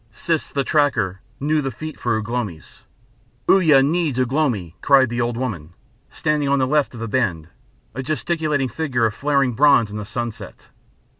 Siss the Tracker knew the feet for Ugh lomi's. "Uya needs Ugh lomi," cried the old woman, standing on the left of the bend, a gesticulating figure of flaring bronze in the sunset.